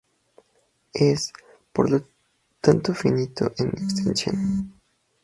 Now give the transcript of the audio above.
Es, por lo tanto finito en extensión.